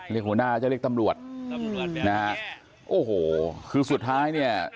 เรียกหัวหน้าจะเรียกตำรวจนะฮะโอ้โหคือสุดท้ายเนี่ย